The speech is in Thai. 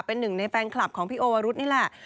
เป็นหนึ่งในแฟนคลับของพี่โอวรุธนี่แหละ